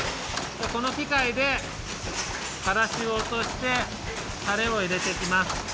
このきかいでからしをおとしてタレをいれていきます。